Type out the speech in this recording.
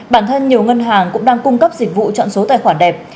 bản thân nhiều ngân hàng cũng đang cung cấp dịch vụ chọn số tài khoản đẹp